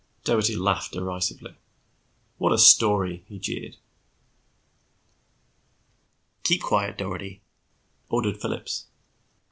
Doherty laughed derisively. "What a story," he jeered. "Keep quiet, Doherty," ordered Phillips.